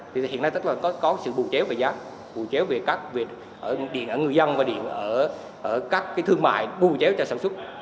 thì hiện nay có sự bù chéo về giá bù chéo về các điện ở người dân và điện ở các thương mại bù chéo cho sản xuất